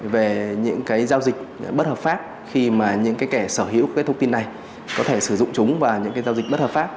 về những cái giao dịch bất hợp pháp khi mà những cái kẻ sở hữu cái thông tin này có thể sử dụng chúng vào những giao dịch bất hợp pháp